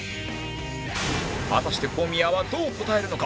果たして小宮はどう答えるのか？